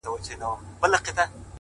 سیاه پوسي ده، خُم چپه پروت دی،